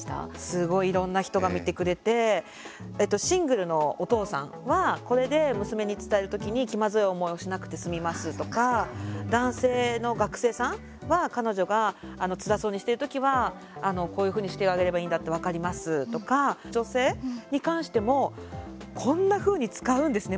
すごいいろんな人が見てくれてシングルのお父さんはこれで娘に伝える時に気まずい思いをしなくて済みますとか、男性の学生さんは彼女がつらそうにしてる時はこういうふうにしてあげればいいんだって分かりますとか女性に関してもこんなふうに使うんですね